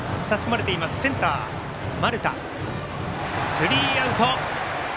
スリーアウト。